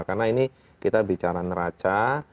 karena ini kita bicara neraca